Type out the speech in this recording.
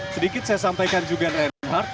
sedikit saya sampaikan juga reinhardt